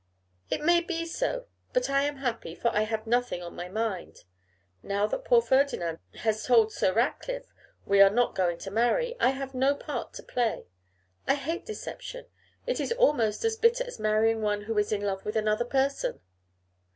'It may be so; but I am happy, for I have nothing on my mind. Now that poor Ferdinand has told Sir Ratcliffe we are not going to marry, I have no part to play. I hate deception; it is almost as bitter as marrying one who is in love with another person.